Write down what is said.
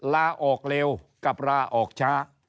ลาออกเร็วกับลาออกช้า